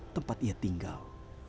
tempat ia tinggal